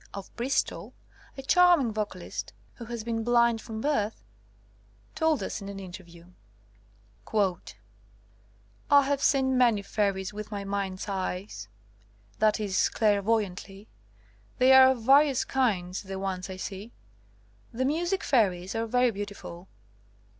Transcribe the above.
of Bristol, a charming vocalist, who has been blind from birth, told us in an inter view: I have seen many fairies with my mind's eyes (that is, clairvoyantly ). They are of various kinds, the ones I see. The music fairies are very beautiful.